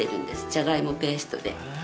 じゃがいもペーストで。